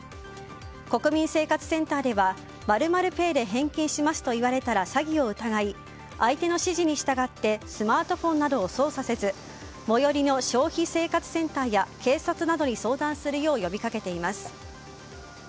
国民生活センターでは○○ペイで返金しますと言われたら詐欺を疑い、相手の指示に従ってスマートフォンなどを操作せず最寄りの消費者生活センターや警察などに相談するよう呼びかけています。